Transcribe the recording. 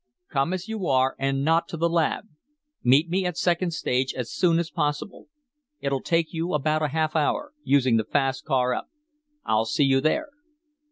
Come as you are. And not to the lab. Meet me at second stage as soon as possible. It'll take you about a half hour, using the fast car up. I'll see you there."